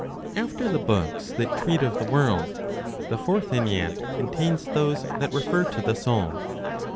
After the books that treat of the world, the Fourth Ennead contains those that refer to the soul.